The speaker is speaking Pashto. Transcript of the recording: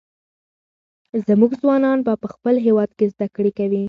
زموږ ځوانان به په خپل هېواد کې زده کړې کوي.